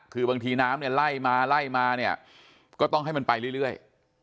คือบางทีน้ำเนี่ยไล่มาไล่มาเนี่ยก็ต้องให้มันไปเรื่อย